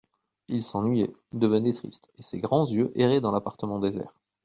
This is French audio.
Il s'ennuyait, devenait triste, et ses grands yeux erraient dans l'appartement désert.